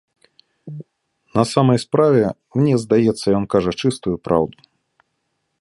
На самай справе, мне здаецца, ён кажа чыстую праўду.